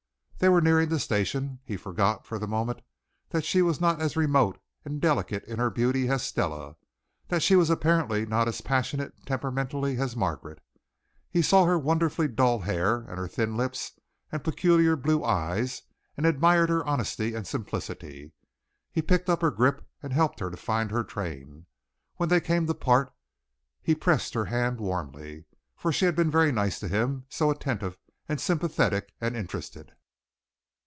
They were nearing the station. He forgot, for the moment that she was not as remote and delicate in her beauty as Stella, that she was apparently not as passionate temperamentally as Margaret. He saw her wonderfully dull hair and her thin lips and peculiar blue eyes, and admired her honesty and simplicity. He picked up her grip and helped her to find her train. When they came to part he pressed her hand warmly, for she had been very nice to him, so attentive and sympathetic and interested.